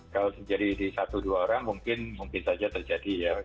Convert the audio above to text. kalau terjadi di satu dua orang mungkin mungkin saja terjadi ya